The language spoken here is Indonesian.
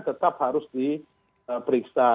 tetap harus diperiksa